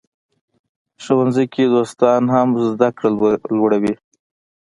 ښوونځي کې دوستان هم زده کړه لوړوي.